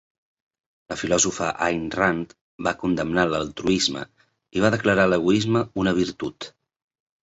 La filòsofa Ayn Rand va condemnar "l'altruisme" i va declarar l'egoisme una virtut.